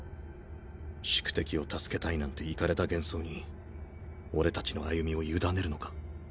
「宿敵を救けたい」なんてイカレた幻想に俺達の歩みを委ねるのか？